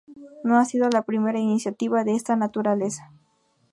No ha sido la primera iniciativa de esta naturaleza.